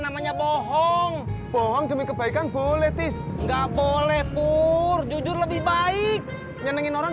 namanya bohong bohong demi kebaikan politis enggak boleh pur jujur lebih baik nyenengin orang